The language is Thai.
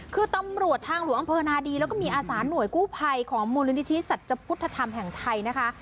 คือตำรวจทางหลวงอำเภอนาดีแล้วก็มีอาสาหน่วยกู้ภัยของมูลนิธิสัจพุทธธรรมแห่งไทยนะคะ